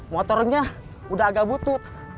motornya udah agak butut